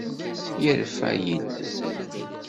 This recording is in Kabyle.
Yerfa yilel.